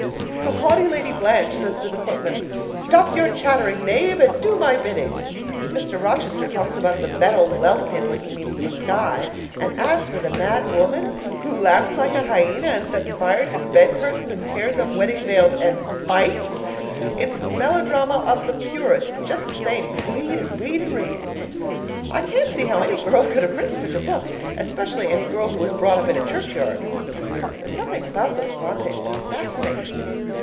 The haughty Lady Blanche says to the footman, 'Stop your chattering, knave, and do my bidding.' Mr. Rochester talks about the metal welkin when he means the sky; and as for the mad woman who laughs like a hyena and sets fire to bed curtains and tears up wedding veils and BITES it's melodrama of the purest, but just the same, you read and read and read. I can't see how any girl could have written such a book, especially any girl who was brought up in a churchyard. There's something about those Brontes that fascinates me.